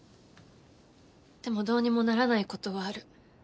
でもどうにもならないことはある。